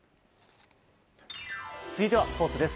続いてはスポーツです。